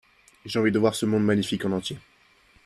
J'ai envie de voir ce mone magnifique en entier.